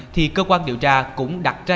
thì cơ quan điều tra cũng đặt ra